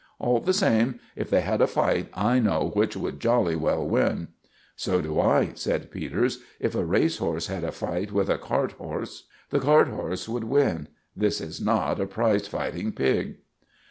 All the same, if they had a fight, I know which would jolly well win." "So do I," said Peters. "If a race horse had a fight with a cart horse, the cart horse would win. This is not a prize fighting pig."